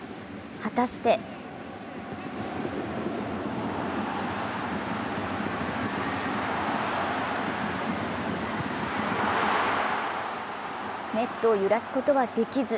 果たしてネットを揺らすことはできず。